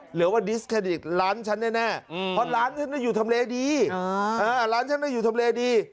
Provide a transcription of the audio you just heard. หรือลั้นฉันแน่พอประหลาดใช้ได้อยู่ทำเลดีาร้านที่จะอยู่ทำเลดี